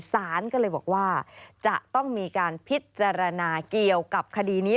สารก็เลยบอกว่าจะต้องมีการพิจารณาเกี่ยวกับคดีนี้